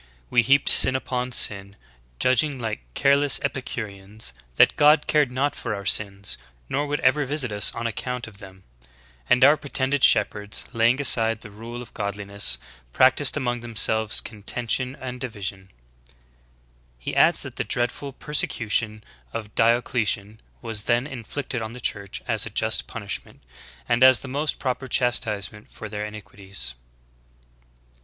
We heaped sin upon sin, judging like careless Epicureans, that God cared not for our sins, nor would ever visit us on ac count of them. And our pretended shepherds, laying aside the rule of godliness, practiced among themselves contention and division." He adds that the "dreadful persecution of J Eusebius, "Ecclesiastical History, Book VIII, ch. 1. See Note 4, end of chapter. INTERNAL CAUSES. gP Diocletian was then inflicted on the Church as a just punish ment, and as the most proper chastisement for their ini quities."'